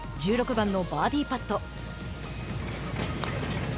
１６番のバーディーパット。